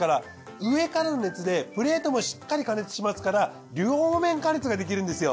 上からの熱でプレートもしっかり加熱しますから両面加熱ができるんですよ。